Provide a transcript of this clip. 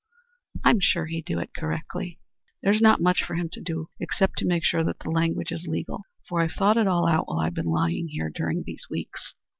"I'm sure he'd do it correctly." "There's not much for him to do except to make sure that the language is legal, for I've thought it all out while I've been lying here during these weeks.